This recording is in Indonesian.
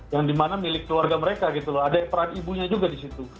yang dimana milik keluarga mereka gitu loh ada peran ibunya juga di situ